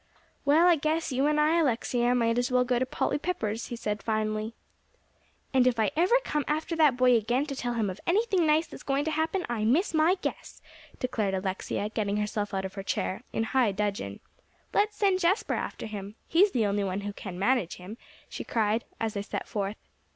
"Well, I guess you and I, Alexia, might as well go to Polly Pepper's," he said finally. "And if I ever come after that boy again to tell him of anything nice that's going to happen, I miss my guess," declared Alexia, getting herself out of her chair, in high dudgeon. "Let's send Jasper after him; he's the only one who can manage him," she cried, as they set forth.